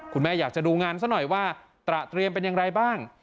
คุณแม่อยากจะดูงานซะหน่อยว่าตระเตรียมเป็นอย่างไรบ้าง